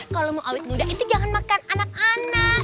kalau mau awit muda itu jangan makan anak anak